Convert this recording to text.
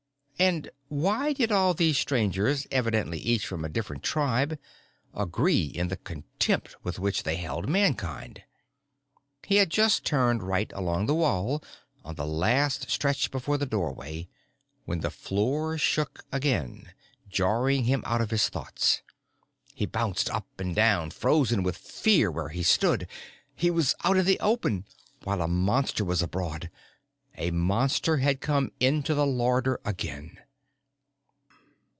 And why did all these Strangers, evidently each from a different tribe, agree in the contempt with which they held Mankind? He had just turned right along the wall, on the last stretch before the doorway, when the floor shook again, jarring him out of his thoughts. He bounced up and down, frozen with fear where he stood. He was out in the open while a Monster was abroad. A Monster had come into the larder again.